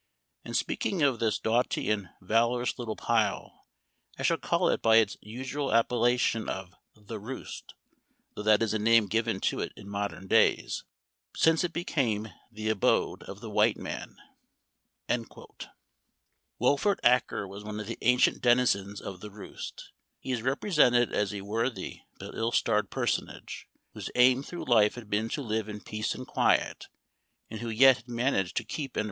In speaking of this doughty and valorous little pile I shall call it by its usual appellation of ' The Roost,' though that is a name given to it in modern days, since it became the abode of the white man." Wolfert Acker was one of the ancient deni zens of " The Roost." He is represented as a worthy but ill starred personage, whose aim through life had been to live in peace and quiet, and who yet had managed to keep in a.